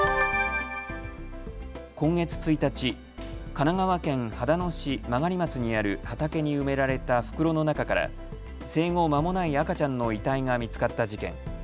今月１日、神奈川県秦野市曲松にある畑に埋められた袋の中から生後まもない赤ちゃんの遺体が見つかった事件。